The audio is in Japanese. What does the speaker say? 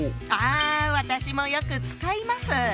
あ私もよく使います！